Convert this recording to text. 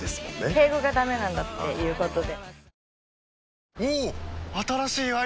敬語がダメなんだっていう事で。